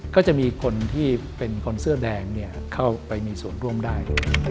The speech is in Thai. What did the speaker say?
ก็จะมีคนที่เป็นคนเสื้อแดงเข้าไปมีส่วนร่วมได้